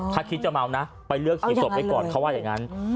ถ้าคิดจะเมานะไปเลือกสีศพไว้ก่อนเขาว่าอย่างนั้น